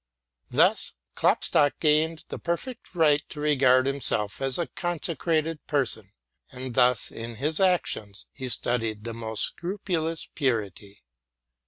Thus Klopstock gained the perfect right to regard himself as a consecrated person, and thus in his actions he studied the most scrupulous purity.